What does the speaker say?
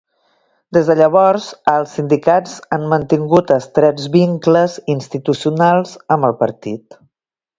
Des de llavors, els sindicats han mantingut estrets vincles institucionals amb el Partit.